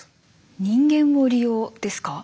人間を利用ですか？